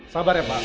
sabar ya pak